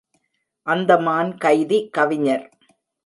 அந்தமான் கைதி கவிஞர்